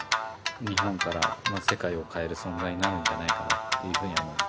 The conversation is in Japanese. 日本から、世界を変える存在になるんじゃないかなっていうふうに思います。